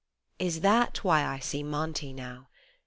Is that why I see Monty now